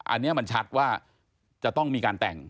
อันนี้มันชัดว่าจะต้องมีการแต่ง